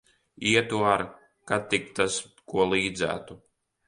Ietu ar, kad tik tas ko līdzētu.